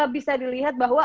bisa dilihat bahwa